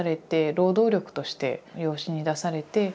労働力として養子に出されて。